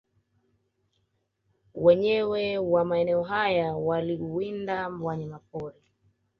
Wenyeji wa maeneo haya waliwinda wanyama pori